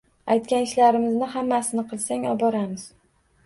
Aytgan ishlarimizni hammasini qilsang, oboramiz.